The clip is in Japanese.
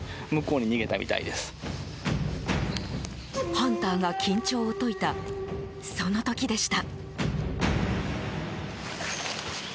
ハンターが緊張を解いたその時でした。